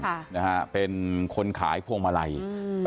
ค่ะนะฮะเป็นคนขายพวงมาลัยอืม